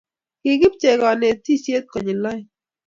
Kikipchei kanetishet konyil oeng'eng